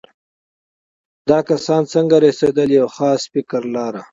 دا کسان څنګه رسېدل یو خاص فکر لاره.